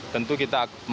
tentu kita akan